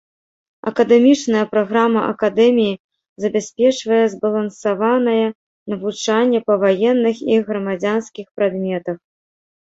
Акадэмічная праграма акадэміі забяспечвае збалансаванае навучанне па ваенных і грамадзянскіх прадметах.